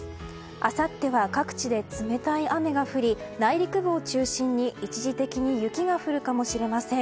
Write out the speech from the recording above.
あさっては各地で冷たい雨が降り内陸部を中心に一時的に雪が降るかもしれません。